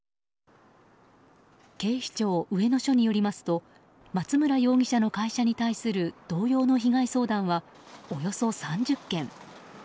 警視庁上野署によりますと松村容疑者の会社に対する同様の被害相談はおよそ３０件。